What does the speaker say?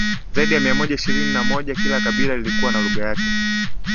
zaidi ya mia moja ishirini na moja kila kabila likiwa na lugha yake